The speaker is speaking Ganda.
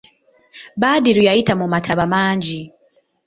Badru yayita mu mataba mangi.